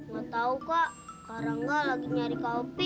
gak tau kak karangga lagi nyari kaopi